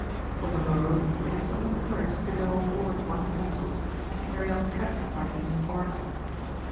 On the morrow they summoned courage to go on board one of the vessels and carry on traffic by means of barter.